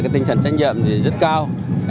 tinh thần tránh nhậm rất cao